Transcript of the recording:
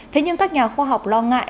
thế nhưng các nhà khoa học lo ngại